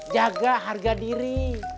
jaga harga diri